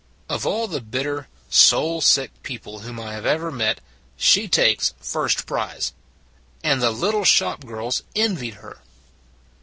Of all the bitter, soul sick people whom I have ever met she takes first prize: and the little shop girls envied her.